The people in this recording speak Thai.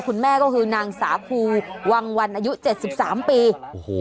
คุณแม่ก็คือนางสาภูวังวันอายุ๗๓ปี